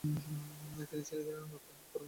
তিনি ছেলেদের নূতন নামকরণ করিতেন।